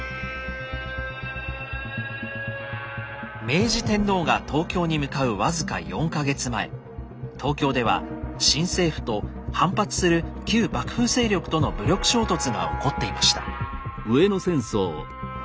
明治天皇が東京に向かう僅か４か月前東京では新政府と反発する旧幕府勢力との武力衝突が起こっていました。